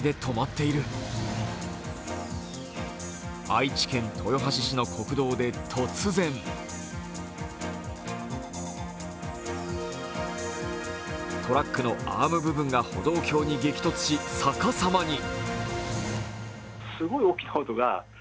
愛知県豊橋市の国道で突然トラックのアーム部分が歩道橋に激突し、逆さまに。